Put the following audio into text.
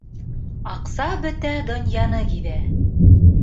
Аҡса бөтә донъяны гиҙә.